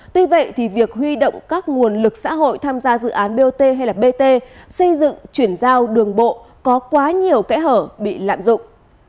tuy vậy thì việc huy động các nguồn lực xã hội tham gia dự án bot hay là bt xây dựng chuyển giao đường bộ có quá nhiều kẽ hở bị lạm dụng